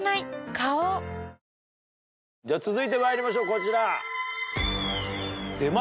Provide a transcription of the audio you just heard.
花王続いてまいりましょうこちら。